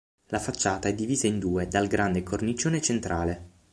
La "facciata" è divisa in due dal grande cornicione centrale.